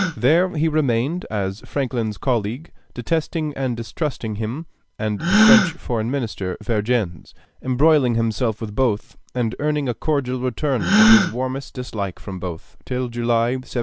There he remained as Franklin's colleague, detesting and distrusting him and the French foreign minister, Vergennes, embroiling himself with both and earning a cordial return of his warmest dislike from both, till July, 1780.